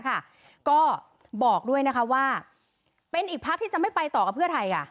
ก็บอกด้วยนะคะว่าเป็นอีกพักที่จะไม่ไปต่อกับเพื่อไทย